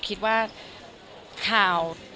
ขอเริ่มขออนุญาต